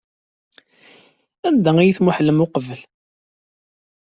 Anda ay tmuhlem uqbel?